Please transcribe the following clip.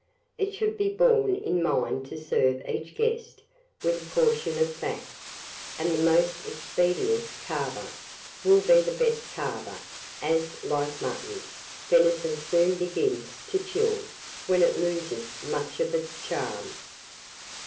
It should be borne in mind to serve each guest with a portion of fat; and the most expeditious carver will be the best carver, as, like mutton, venison soon begins to chill, when it loses much of its charm.